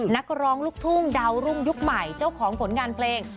นักร้องลูกทุ่งดาวรุ่งยุคใหม่เจ้าของผลงานเพลง